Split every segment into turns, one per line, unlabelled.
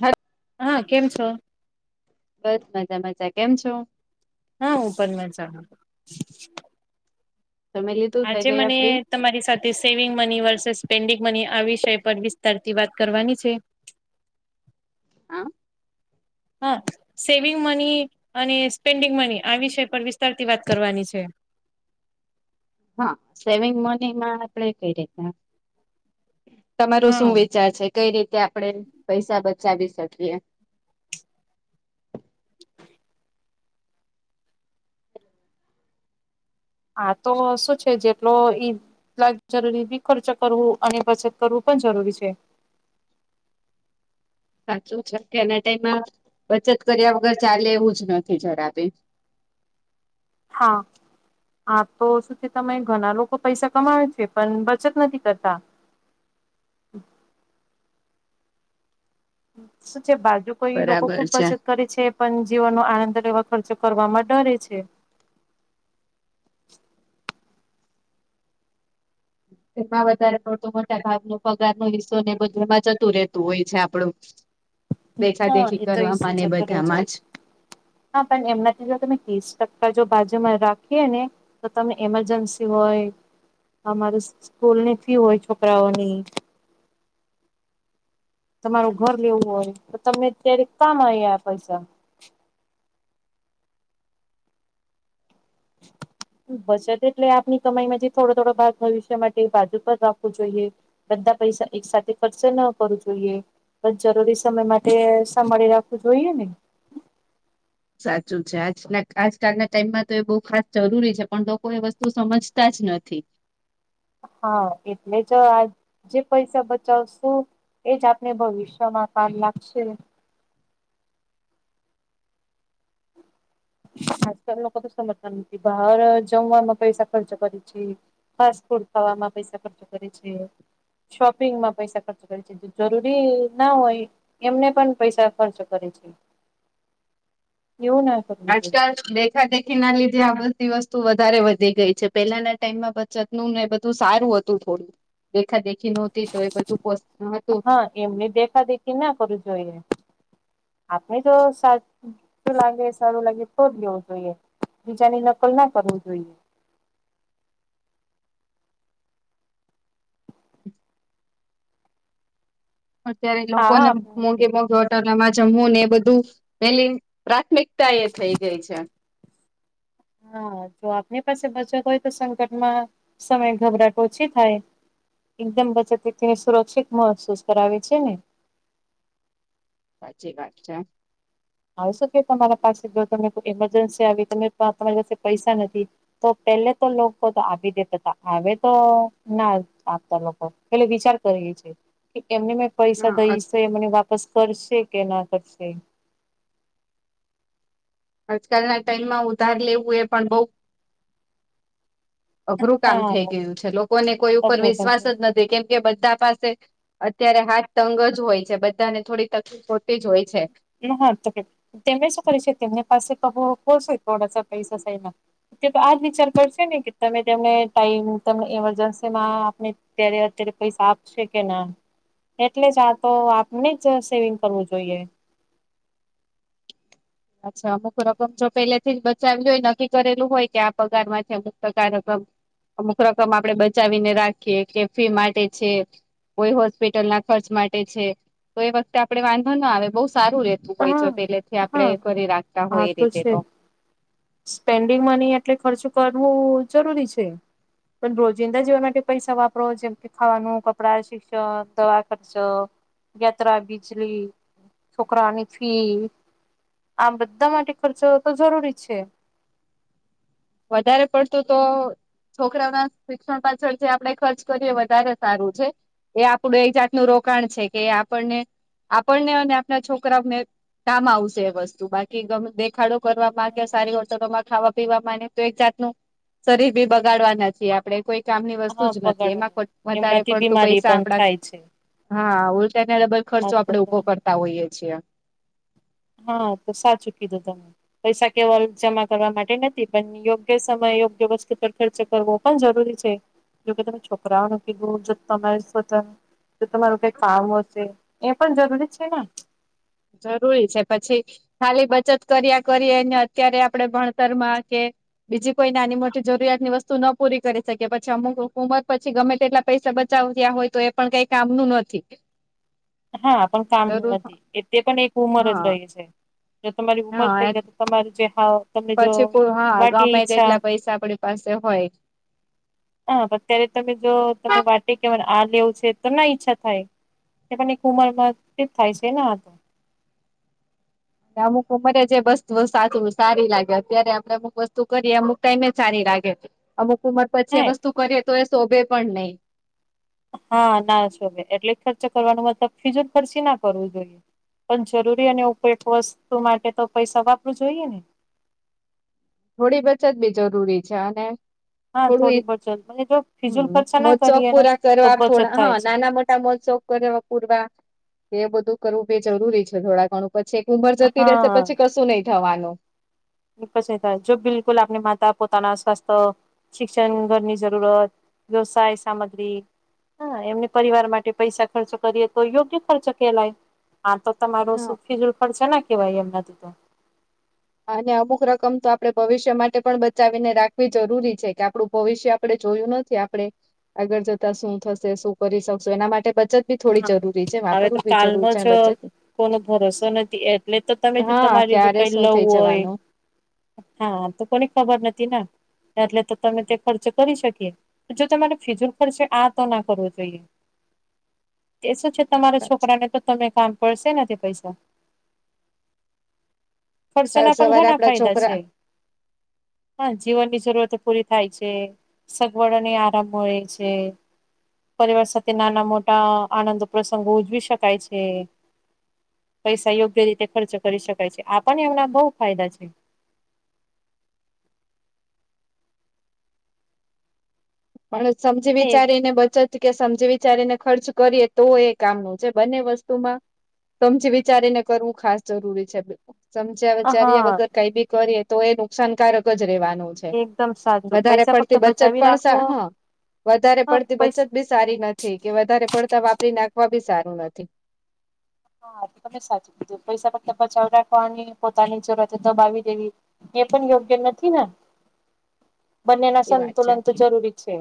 હ
હા કેમ છો
બસ મજા મજા કેમ છો
હા હૂ પણ મજામાં
તમે લીધું થઈ
આજે
ગયા
મને
ફ્રી
તમારી સાથે saving money versus spending money આ વિષય પર વિસ્તાર વાત કરવાની છે
હા
હા સેવિંગ મની અને સ્પેન્ડિંગ મની આ વિષય પર વિસ્તારથી વાત કરવાની છે
હા સેવિંગ મની માં આપડે કઈ રીતે તમારો શું
હા
વિચાર છે કઈ રીતે આપણે પૈસા બચાવી શકીએ
હા તો શું છે જેટલો ઈ લ જરૂરી બી ખર્ચ કરવું અને બચત કરવું પણ જરૂરી છે
સાચું છે કે એના ટાઈમમાં બચત કર્યા વગર ચાલે એવું જ નથી જરાબે
હા હા, તો શું છે તમે ઘણા લોકો પૈસા કમાવે છે પણ બચત નથી કરતા. શું છે બાજુ કઈ લોકો
બરાબર
ખુબ
છે
પસે કરે છે પણ જીવનનો આનંદ લેવા ખર્ચો કરવાવામાં ડરે છે.
એમાં વધારે પડતું મોટો ભાગનુ પગાર નો હિસ્સો ને બધુંમાં જતું રહેતું હોય છે આપડું. દેખા
હા,
દેખી
એ તો [unintelligible]
કરવામાં ને બધામાં જ
હા, પણ એમનાથી જો તમે ત્રીસ ટકા જો બાજુમાં રાખીએ ને તો તમે એમરજન્સી હોય, અમારે સ્કૂલની ફી હોય છોકરાઓની તમારું ઘર લેવું હોય તો તમે ત્યારે કામ આવ આ પૈસા [inaudible] બચત એટલે આપની કમાઈમાં જે થોડો થોડો ભાગ ભવિષ્ય માટે બાજુ પણ રાખવું જોઈએ. બધા પૈસા એક સાથે ખર્ચે ન કરવું જોઈએ. બ જરૂરી સમય માટે સાભાળી રાખવું જોઈએ ને
સાચું છે આજ આજકાલના ટાઈમમાં તો એ બહુ ખાસ જરૂરી છે પણ લોકો એ વસ્તુ સમજતા જ નથી.
હા, એટલે જો આ જે પૈસા બચાવશું એજ આપને ભવિષ્યમાં કામ લાગશે. આજકાલ લોકો તો સમજતા નથી બહાર જમવામાં પૈસા ખર્ચ કરે છે, ફાસ્ટ ફૂડ ખાવામાં પૈસા ખર્ચો કરે છે, શોપિંગમાં પૈસા ખર્ચો કરે છે. જરૂરી ના હોય એમને પણ પૈસા ખર્ચ કરે છે. એવું ના કરવું
આજ કાલ
જોઈએ
દેખા દેખી ના લીધે આ બધી વસ્તુ વધારે વધી ગઈ છે, પેલા ના ટાઈમમાં બચત નું ને એ બધું સારું હતું. થોડું દેખા દેખી નહોતી તો એ બધું પો [unintelligible] હતું
હા એમની દેખા દેખી ના કરું જોઈએ આપણે તો સા સારૂ લાગે સારું લાગે તો જ લેવું જોઈએ બીજાની નકલ ના કરવું જોઈએ.
[inaudible] અત્યારે લોકોને
હા
મોઘે મોઘે હોટાલામાં જમવું ને એ બધું પેલી પ્રાથમિક તા એ થઈ ગઈ છે.
હા, જો આપની પાસે બચત હોય તો સંકટમાં સમય ગભરાટ ઓછી થાય. એકદમ બચતને સુરક્ષિત મહેસૂસ કરાવે છે ને,
સાચી વાત છે,
આવું શું કે તમારા પાસે જો તમે કોઈ ઈમરજન્સી આવી તમે તમારી પાસે પૈસા નથી. તો પેલે તો લોકો તો આવી દેતા હતા આવે તો ના આપતા લોકો એટલે વિચાર કરીએ છીએ કે એમને મેં પૈસા
હા,
દઈશ તો એ મને વાપસ કરશે કે ના કરશે
આજકાલના ટાઈમમાં ઉધાર લેવું એ પણ બઉ અઘરું કામ
હા
થઈ ગયું છે, લોકોને કોઈ ઉપર વિશ્વાસ જ નથી કેમ કે બધા પાસે અત્યારે હાથ તંગ જ હોય છે, બધાને થોડી તકલીફ હોતી જ હોય છે.
હ તો તેમને શું કરે છે તેમને પાસે ક કોસ હોય થોડાસા પૈસા સાઈડમાં તે તો આજ વિચાર કરશે ને કે તમે તેમને ટાઈમ તને એમરજન્સીમાં આપણે ત્યારે અત્યારે પૈસા આપશે કે ના એટલે જ આ તો આપને જ સેવિંગ કરવું જોઈએ.
અચ્છા અમુક રકમ જો પેલેથી જ બચાવલી હોય નક્કી કરેલું હોય કે આ પગાર માંથી અમુક ટકા રકમ અમુક રકમ આપડે બચાવીને રાખીએ કે ફી માટે છે. કોઈ હોસ્પિટલ ના ખર્ચ માટે છે તો એ વખતે આપડે વાંધો ના આવે બહુ સારું રહે હોય જો
હા
પેલેથી
હા
આપડે કરી રાખતા
આ
હોય એ રીતે તો
છે. સ્પેન્ડિંગ મની એટલે ખર્ચું કરવું જરૂરી છે. પણ રોજિંદા જીવન માટે પૈસા વાપરો જેમ કે ખાવાનું કપડા શિક્ષણ દવા ખર્ચો યાત્રા બિજલી છોકરાની ફી આ બધા માટે ખર્ચ તો જરૂરી છે.
વધારે પડતુ તો છોકરાઓના શિક્ષણ પાછળ જે આપડે ખર્ચ કરીએ વધારે સારું છે એ આપણું એક જાતનું રોકાણ છે કે એ આપણને આપણને અને આપના છોકરાઓને કામ આવશે એ વસ્તુ બાકી ગમે દેખાડો કરવામાં કે સારી હોટલોમાં ખાવા પીવામાં તો એક જાતનું શરીર બી બગાડવાના છીએ આપણે કોઈ કામની
હા
વસ્તુ જ નથી
બગાડવાનો
એમાં વધારે
એમનાથી
પડતું
બીમારી
પૈસા
પણ
આપડા
થાય છે
હા ઉલટાને ડબલ
આ
ખર્ચો
તો
આપણેે ઉભો કરતા હોઈએ છીએ.
હા તો સાચું કીધું તમે પૈસા કેવલ જમા કરવા માટે નથી પણ યોગ્ય સમય યોગ્ય વસ્તુ પર ખર્ચો કરવો પણ જરૂરી છે જોકે તમે છોકરાઓ કીધો જો તમારે જો તમારું કઈ કામ હશે એ પણ જરૂરી છે ને
જરૂરી છે પછી ખાલી બચત કર્યા કરીએ અને અત્યારે આપડે ભણતર માં કે બીજી કોઈ નાની મોટી જરૂરિયાત ની વસ્તુ ન પૂરી કરી શકે પછી અમુક ઉંમર પછી ગમે તેટલા પૈસા બચાવિયા હોય તો એ પણ કંઈ કામનું નથી
[inaudible] હા પણ કામ
જરૂર
નથી એ તે પણ એક ઉંમર જ
હા
રહી છે જો તમારી ઉમર થઈ
હા
જ તમારે જેમાં
પછી હા ગમે તે એટલા પૈસા આપડી પાસે હોય
હા અત્યારે તમે જો તને વાટે કેરે આ લેવું છે તો નઈ ઈચ્છા થાય. પણ એક ઉમરમાં થાય છે ને આ તો
અમુક ઉમરે જે વસ્તુ સાચું સારી લાગે અત્યારે આપણે અમુક વસ્તુ કરીએ અમુક તોમે સારી લાગે અમુક ઉમર
હે
પછી એ વસ્તુ કરીએ તો એ શોભે પણ નહી.
હા ના શોભે એટલે ખર્ચ કરવાનો મતલબ ફીજો ખરચો ના કરવું જોઈએ. પણ જરૂરી અને ઉપયોગી વસ્તુ માટે તો પૈસા વાપરવું જોઈએ ને
થોડી બચત બી જરૂરી છે અને
હા
થોડું
થોડી બચત અને જો ફિજુલ ખર્ચા ના
મોખશોખ
કરીએ ને
પૂરા
તો
કરવા
બચત
થોડા હ
થાય છે.
નાના મોટા તમે મોખ શોખ કરયો પૂરવા એ બધું કરવું બી જરૂરી છે થોડા ઘણું પછી એક ઉંમર જતી રહેશે
હા
પછી કશું નહી થવાનું
ની પછી થાય જો બિલકુલ આપની માતા પોતાના સ્વાસ્થ શિક્ષણ ઘરની જરૂરત વ્યવસાય સામગ્રી હા એમને પરિવાર માટે પૈસા ખર્ચો કરીએ તો યોગ્ય ખર્ચો કેલાય આ તો તમારુ
હા
સુખી જલફળ છે ને કેવાય એમનાથી તો.
અને અમુક રકમ તો આપણે ભવિષ્ય માટે પણ બચાવીને રાખવી જરૂરી છે કે આપડું ભવિષ્ય આપડે જોયું નથી આપણે આગળ જતા શું થશે શું કરી શકશું એના માટે બચત બી થોડી
હા
જરૂરી છે
હવે તો
વાપરવું બી જરૂર
કાલનો
છે અને
જ
બચત
કોનો ભરોસો નથી એટલે તો તમે જો
હા
તમારી જો
ક્યારે
કઈ
શું
લવું
થઈ
હોય.
જવાનું
હા તો કોને ખબર નથી ના. એટલે તો તમે તે ખર્ચ કરી શકીએ જો તમારે ફીજુલ ખર્ચે આ તો ના કરવો જોઈએ. એ શું છે તમારા
સાચી
છોકરાને તો તમે કામ પડશે તે પૈસા પણ
કાલ
સેના પણ
સવારે
ઘણા
આપડા
ફાયદા
છોકરા
છે. હા જીવનની જરૂરતો પૂરી થાય છે સગવડો ને આરામ મળે છે. પરિવાર સાથે નાના મોટા આનંદ પ્રસંગો ઉજવી શકાય છે. પૈસા યોગ્ય રીતે ખર્ચ કરી શકાય છે આ પણ એમના બહુ ફાયદા છે.
પણ સમજી વિચારી ને બચત કે સમજી વિચારીને ખર્ચ કરીએ તો એ કામનું છે બંને વસ્તુમાં સમજી વિચારીને કરવું ખાસ જરૂરી છે. સમજ્યા વિચાર્યા
હા
વગર કઈ બી કરીએ તો એ નુકસાનકારક જ રેવાનું છે.
એકદમ સાચું
વધારે
પૈસા ફક્ત
પડતી બચત
બચાવી
પણ
રાખો
સા હ વધારે
હા
પડતી બચત
પૈસા
બી. સારી નથી કે વધારે પડતા વાપરી નાખવા બી સારું નથી.
હા તમે સાચું કીધું પૈસા ફકત બચાવી રાખવાની પોતાની જરૂરત દબાવી દેવી એ પણ યોગ્ય નથી ને બંનેના
એ વાત છે.
સંતુલન તો જરૂરી છે.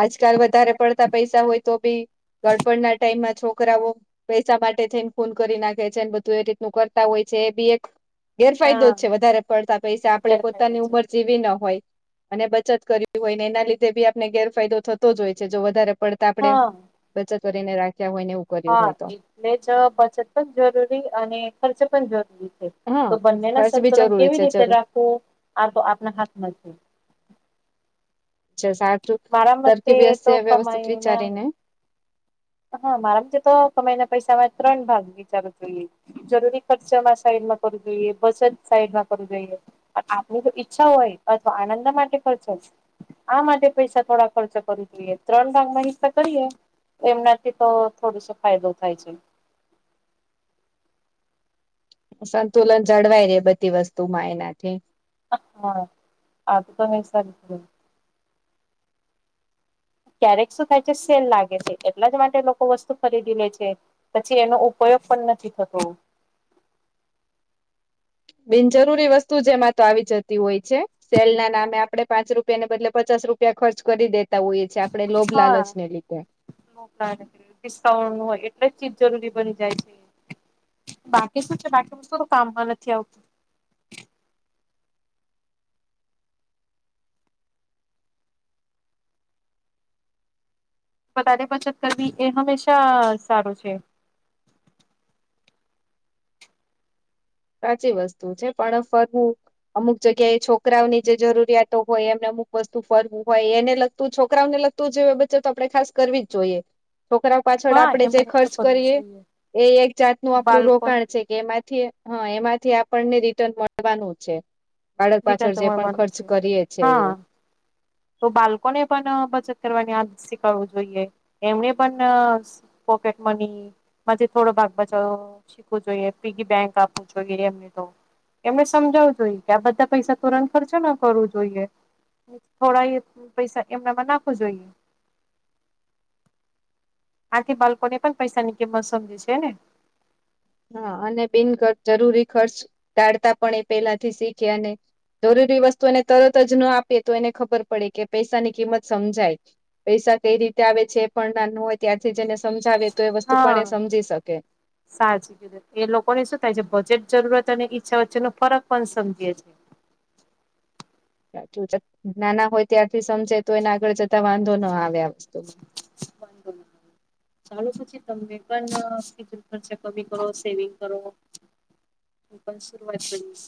આજકાલ વધારે પડતા પૈસા હોય તો બી ગઢપણ ના ટાઈમમાં છોકરાઓ પૈસા માટે થઈને ખૂન કરી નાખે છે ને બધું એ રીતનું કરતા હોય છે એ બી એક ગેરફાયદો
હા
જ છે વધારે પળતા પૈસા આપણે
ગેરફાયદો
પોતાની
છે
ઉંમર જે. વે ના હોય અને બચત કરવી હોયને એના લીધે બી આપને ગેરફાયદો થતો જ હોય છે જો વધારે પડ તા આપણે
હા
બચત કરીને રાખ્યા હોયને એવું. કર્યું
હા
હોય તો
એટલે જ બચત પણ જરૂરી અને ખર્ચ પણ જરૂરી
હા
તો બંને ના
ખર્ચ બી
સંતુલન
જરૂરી
કેવી
છે
રીતે
જરૂર
રાખવું આ તો આપના હાથમાં જ હે. મારા
[inaudible] સરખ
મતે
બી
તો
[inaudible] વ્યવસ્થિત
કમાઈના
વિચારીને
હા મારા મતે તો કમાય ના પૈસામાં ત્રણ ભાગ વિચારવુ જોઈએ. જરૂરી ખર્ચામાં સાઈડમાં કરવું જોઈએ બચત સાઈડમાં કરવું જોઈએ. પણ આપણુ તો ઈચ્છા હોય અથવા આનંદ માટે ખર્ચો આ માટે પૈસા થોડા ખર્ચ કરવું જોઈએ ત્રણ ભાગમાં હિસ્સા કરીએ એમનાથી તો થોડો સો ફાયદો થાય છે.
સંતુલન જળવાય રહેે બધી વસ્તુ માં એનાથી.
હા આ તો તમે સાારી ક્યારેક શું થાય છે સેલ લાગે છે એટલા જ માટે લોકો વસ્તુ ખરીદી લે છે. પછી એનો ઉપયોગ પણ નથી થતો.
બિનજરૂરી વસ્તુ જેમાં તો આવી જતી હોય છે. સેલ ના નામે આપડે પાંચ રૂપિયાને બદલે પચાસ રૂપિયા ખર્ચ કરી દે. તા હોઈએ છીએ આપણે લોભ
હા.
લાલચને લીધે.
ડિસ્કાઉન્ટ હોય એટલે ચીજ જરૂરી બની જાય છે. બાકી શું છે બાકી [inaudible] કામમાં નથી આવતું વધારે બચત કરવી એ હંમેશા સારું છે.
સાચી વસ્તુ છે પણ ફરવું અમુક જગ્યાએ છોકરાઓની જે જરૂરિયાતો હોય એમને અમુક વસ્તુ ફરવું હોય એને લગતું છોકરાઓને લગતું તો જેવી બચત તો આપણેે ખાસ કરવી જ જોઈએ. છોકરા પાછળ
હા
આપડે
એ
જે
મદદ તો
ખર્ચ
કરવી
કરીએ
જોઈએ
એ એક જાતનું આપણું
બાળકો
રોકાણ છે. એમાંથી હ એમાંથી આપણને રિટર્ન મળવાનું છે બાળક
રિટર્ન
પાછળ
તો
જે પણ
મળવાનું
ખર્ચ
છે
કરીએ છે એ
હા તો બાળકોને પણ બચત કરવાની આદત શીખવવું જોઈએ એમને પણ પોકેટ મની માંથી થોડો ભાગ બચાવ શીખવો જોઈએ પિગી બેંક આપવું જોઈએ એમને તો એમને સમજાવવું જોઈએ કે આ બધા પૈસા તુરંત ખર્ચો ના કરવું જોઈએ થોડા એ પૈસા એમનામાં નાખવુ જોઈએ આથી બાળકો ને પણ પૈસાની કિંમત સમજે છે ને
હા અને બિનજરૂરી ખર્ચ ટાળતા પણ એ પેલાથી શીખે અને જરૂરી વસ્તુ એને તરત જ ન આપીએ તો એને ખબર પડે કે પૈસાની કિંમત સમજાય પૈસા કઈ રીતે આવે છે પણ નાનો હોય ત્યારથી જ એને સમજાવે તો એ વસ્તુ પણ
હા
એ સમજી શકે
સાચી કીધું એ લોકોને શું થાય છે બજેટ જરૂરત અને ઈચ્છા વચ્ચે નો ફરક પણ સમજી છે
નાના હોય ત્યારથી સમજે તો એને આગળ જતા વાંધો ના આવે આ વસ્તુમાં
[inaudible] ચાલો પછી તમને પણ ખર્ચા કમી કરો સેવિંગ કરો પણ શરૂઆત કરી